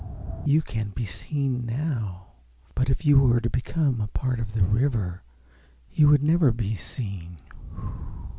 "You can be seen now, but if you were to become a part of the river you would never be seen.